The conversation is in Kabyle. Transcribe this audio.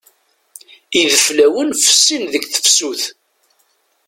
Ideflawen fessin deg tefsut.